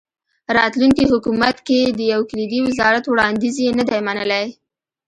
راتلونکي حکومت کې د یو کلیدي وزارت وړاندیز یې نه دی منلی.